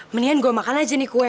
mendingan gue makan aja nih kue